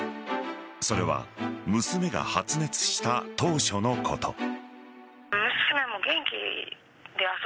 それは娘が発熱した当初のこと。